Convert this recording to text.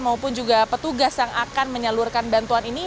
maupun juga petugas yang akan menyalurkan bantuan ini